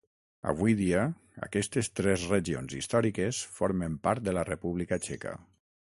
Avui dia aquestes tres regions històriques formen part de la República Txeca.